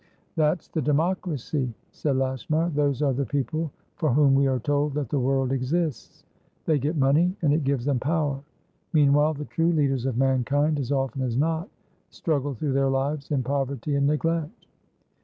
"That's the democracy," said Lashmar. "Those are the people for whom we are told that the world exists. They get money, and it gives them power. Meanwhile, the true leaders of mankind, as often as not, struggle through their lives in poverty and neglect."